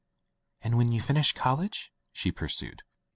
"And when you finish college ?" she pur sued.